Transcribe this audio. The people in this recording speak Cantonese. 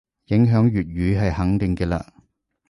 影響粵語係肯定嘅嘞